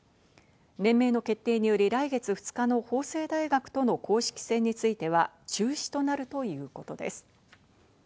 連盟の決定により来月２日の法政大学との公式戦については中止となるということです。